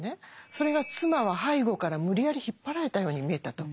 それが妻は背後から無理やり引っ張られたように見えたと。